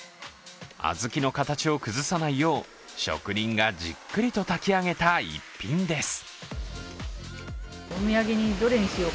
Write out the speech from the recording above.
小豆の形を崩さないよう職人がじっくりと炊き上げた一品です。